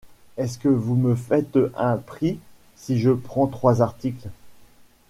Est-ce que vous me faites un prix si je prends trois articles ?